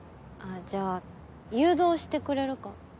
じゃあ誘導してくれるか？